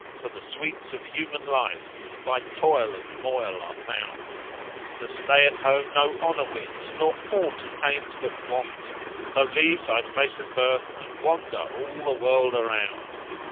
for the sweets of human life by toil and moil are found: The stay at home no honour wins nor aught attains but want; * So leave thy place of birth [FN#371] and wander all the world around!